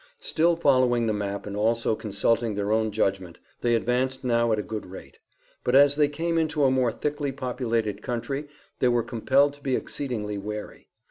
Still following the map and also consulting their own judgment, they advanced now at a good rate. But as they came into a more thickly populated country they were compelled to be exceedingly wary.